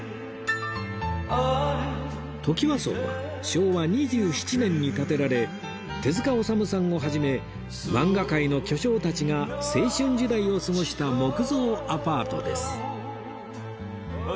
トキワ荘は昭和２７年に建てられ手治虫さんを始めマンガ界の巨匠たちが青春時代を過ごした木造アパートです